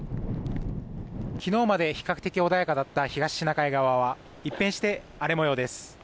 昨日まで比較的穏やかだった東シナ海側は一変して、荒れ模様です。